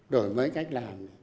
đổi mới cách làm